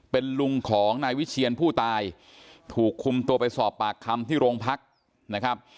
เป็นลุงของนายวิเชียนผู้ตายถูกคุมตัวไปสอบปากคำที่โรงพักนะครับ